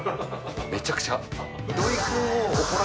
めちゃくちゃ。